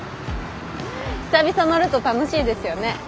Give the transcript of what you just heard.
久々乗ると楽しいですよね。